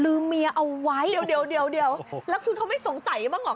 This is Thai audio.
เมียเอาไว้เดี๋ยวเดี๋ยวแล้วคือเขาไม่สงสัยบ้างเหรอ